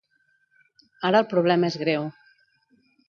Ara el problema és greu.